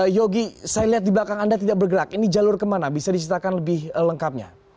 yogi saya lihat di belakang anda tidak bergerak ini jalur kemana bisa diceritakan lebih lengkapnya